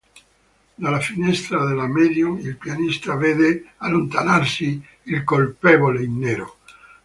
Dalla finestra della medium il pianista vede allontanarsi il colpevole in nero.